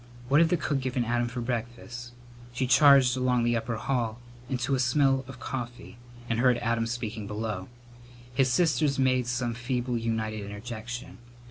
What had the cook given Adam for breakfast? She charged along the upper hall into a smell of coffee, and heard Adam speaking below. His sisters made some feeble united interjection.